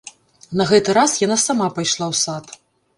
На гэты раз яна сама пайшла ў сад.